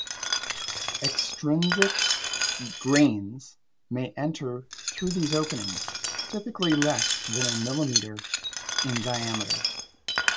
Extrinsic grains may enter through these openings, typically less than a millimeter in diameter.